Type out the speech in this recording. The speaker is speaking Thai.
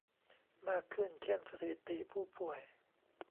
มากขึ้นเช่นสถิติผู้ป่วย